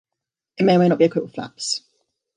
It may or may not be equipped with flaps.